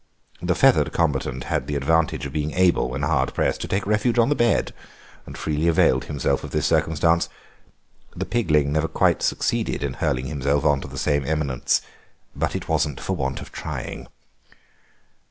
The feathered combatant had the advantage of being able, when hard pressed, to take refuge on the bed, and freely availed himself of this circumstance; the pigling never quite succeeded in hurling himself on to the same eminence, but it was not from want of trying.